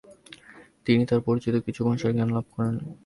তিনি তার পরিচিত কিছু ভাষা'র জ্ঞান লাভ করেন।